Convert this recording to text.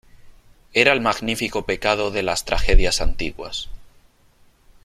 era el magnífico pecado de las tragedias antiguas .